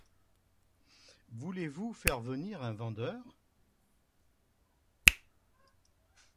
Voulez-vous faire venir un vendeur ?